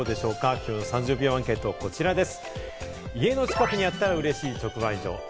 きょうの３０秒アンケートはこちらです。